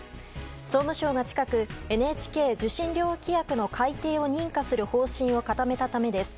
総務省が近くＮＨＫ受信料規約の改訂を認可する方針を固めたためです。